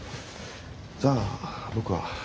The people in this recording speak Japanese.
じゃあ僕は。